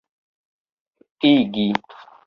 igi